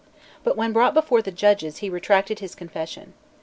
But when brought before the judges, he retracted his confession.